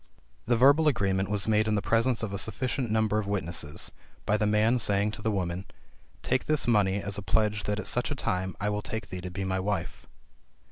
The verbal agreement was made in the presence of a sufficient number of witnesses, by the man saying to the women, "Take this money as a pledge that at such a time I will take thee to be my wife."